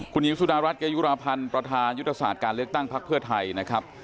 คุณหญิงสุดารัฐเกยุราพันธ์ประธานยุทธศาสตร์การเลือกตั้งพักเพื่อไทยนะครับ